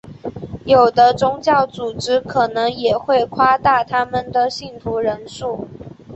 有的宗教组织可能也会夸大他们的信徒人数。